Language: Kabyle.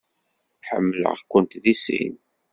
Ḥemmleɣ-kent deg sin.